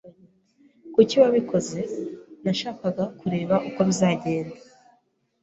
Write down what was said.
"Kuki wabikoze?" "Nashakaga kureba uko bizagenda."